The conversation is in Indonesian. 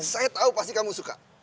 saya tahu pasti kamu suka